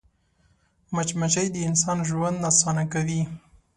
مچمچۍ د انسان ژوند اسانه کوي